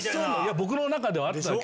僕の中ではあったわけ。